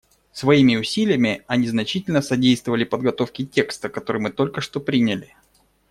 Своими усилиями они значительно содействовали подготовке текста, который мы только что приняли.